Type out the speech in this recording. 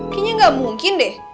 mungkin gak mungkin deh